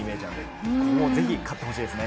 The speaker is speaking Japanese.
ぜひ勝ってほしいですね。